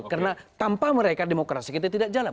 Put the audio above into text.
karena tanpa mereka demokrasi kita tidak jalan